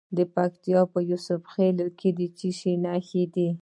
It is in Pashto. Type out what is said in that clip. د پکتیکا په یوسف خیل کې د څه شي نښې دي؟